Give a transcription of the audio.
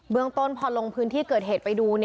เมืองต้นพอลงพื้นที่เกิดเหตุไปดู